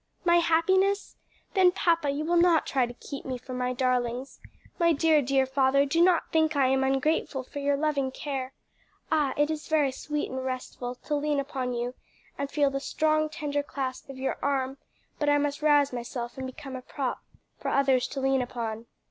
"My happiness? Then, papa, you will not try to keep me from my darlings. My dear, dear father, do not think I am ungrateful for your loving care. Ah, it is very sweet and restful to lean upon you and feel the strong tender clasp of your arm! but I must rouse myself and become a prop for others to lean upon."